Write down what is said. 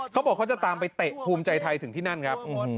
เขาบอกเขาจะตามไปเตะภูมิใจไทยถึงที่นั่นครับ